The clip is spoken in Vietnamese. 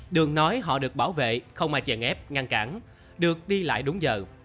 đường nói họ được bảo vệ không ai chè ngép ngăn cản được đi lại đúng giờ